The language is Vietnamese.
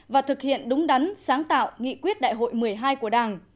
và thực hiện đúng đắn sáng tạo nghị quyết đại hội một mươi hai của đảng